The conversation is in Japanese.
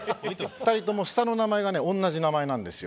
２人とも下の名前がね同じ名前なんですよ。